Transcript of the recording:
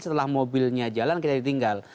setelah mobilnya jalan kita ditinggal